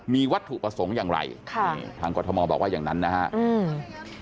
มีวัตถุประสงค์อย่างไรค่ะนี่ทางกรทมบอกว่าอย่างนั้นนะฮะอืม